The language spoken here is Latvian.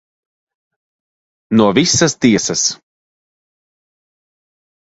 No visas tiesas.